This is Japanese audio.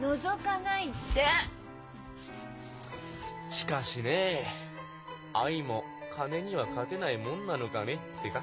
しかしね愛も金には勝てないもんなのかねってか。